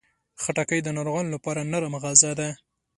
خټکی د ناروغانو لپاره نرم غذا ده.